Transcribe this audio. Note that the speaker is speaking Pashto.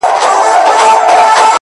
نوره گډا مه كوه مړ به مي كړې،